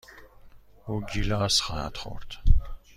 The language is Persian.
او گیلاس خواهد خورد.